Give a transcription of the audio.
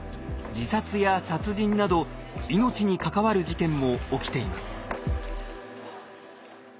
自殺や殺人など命に関わる事件も起きています。